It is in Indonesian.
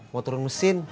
mau turun mesin